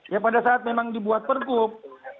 ya pada saat memang dibuat pergub